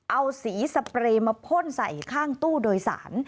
เอาสีสเปรย์มาพ่นใส่ข้างตู้โดยสาร